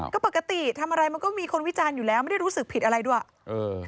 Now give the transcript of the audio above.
ก็ปกติทำอะไรมันก็มีคนวิจารณ์อยู่แล้วไม่ได้รู้สึกผิดอะไรด้วยเออ